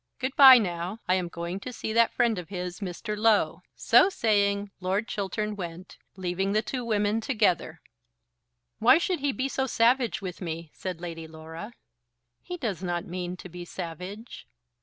Good bye now. I am going to see that friend of his, Mr. Low." So saying Lord Chiltern went, leaving the two women together. "Why should he be so savage with me?" said Lady Laura. "He does not mean to be savage."